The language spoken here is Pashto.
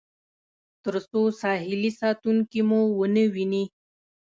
تر څو ساحلي ساتونکي مو ونه وویني.